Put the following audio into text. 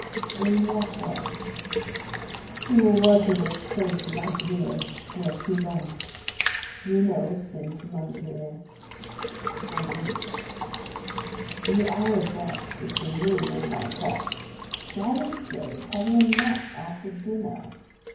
"In what way?" "We were working at Saint Mandrier, near Toulon. Do you know Saint Mandrier?" "I do." "In the hour of rest, between noon and one o'clock——" "Galley slaves having a nap after dinner!